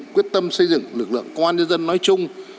quyết tâm xây dựng lực lượng công an nhân dân nói chung